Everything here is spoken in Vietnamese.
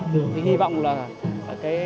thì hy vọng là